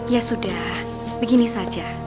ya sudah begini saja